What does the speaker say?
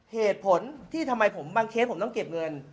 เหตุผลที่ทำไมบางเคสผมต้องเก็บเงิน